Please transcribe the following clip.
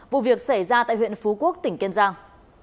vụ việc xảy ra tại huyện phú quốc tỉnh kiên giang